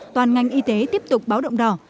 toàn ngành y tế tiếp tục báo động đỏ